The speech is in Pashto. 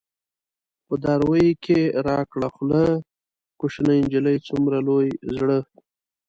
په دراوۍ کې را کړه خوله ـ کوشنۍ نجلۍ څومره لوی زړه